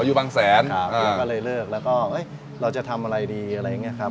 อยู่บางแสนก็เลยเลิกแล้วก็เราจะทำอะไรดีอะไรอย่างนี้ครับ